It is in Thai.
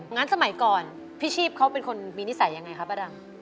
สมัยก่อนพี่ชีพเขาเป็นคนมีนิสัยยังไงครับป้าดำ